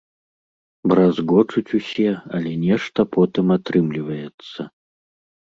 Бразгочуць усе, але нешта потым атрымліваецца.